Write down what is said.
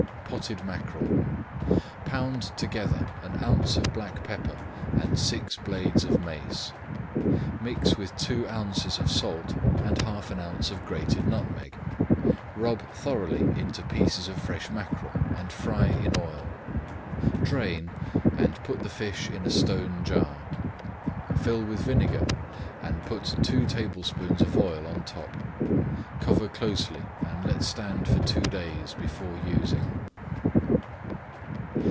POTTED MACKEREL Pound together an ounce of black pepper [Page 230] and six blades of mace. Mix with two ounces of salt and half an ounce of grated nutmeg. Rub thoroughly into pieces of fresh mackerel, and fry in oil. Drain, and put the fish in a stone jar. Fill with vinegar, and put two tablespoonfuls of oil on top. Cover closely and let stand for two days before using.